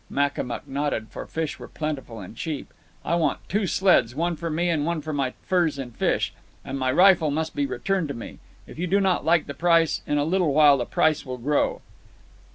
(Makamuk nodded, for fish were plentiful and cheap.) "I want two sleds—one for me and one for my furs and fish. And my rifle must be returned to me. If you do not like the price, in a little while the price will grow."